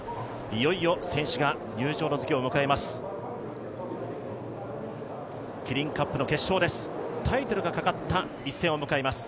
いよいよ選手が入場の時期を迎えます。